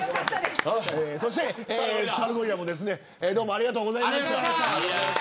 そして、サルゴリラもどうもありがとうございました。